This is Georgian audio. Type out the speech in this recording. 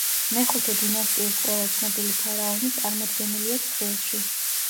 მეხუთე დინასტიის ყველა ცნობილი ფარაონი წარმოდგენილია ცხრილში.